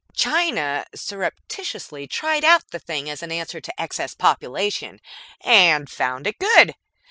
China surreptitiously tried out the thing as an answer to excess population, and found it good.